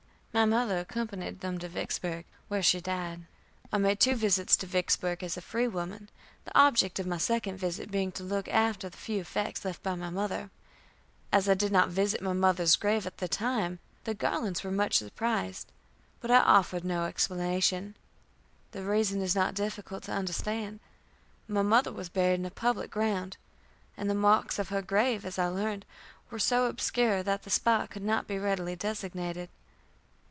My mother accompanied them to Vicksburg, where she died. I made two visits to Vicksburg as a free woman, the object of my second visit being to look after the few effects left by my mother. As I did not visit my mother's grave at the time, the Garlands were much surprised, but I offered no explanation. The reason is not difficult to understand. My mother was buried in a public ground, and the marks of her grave, as I learned, were so obscure that the spot could not be readily designated.